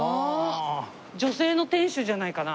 女性の店主じゃないかな？